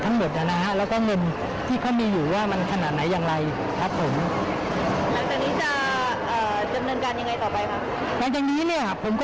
ต้องการขึ้นเงินกับขึ้นมาให้หมด